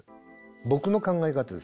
僕の考え方です。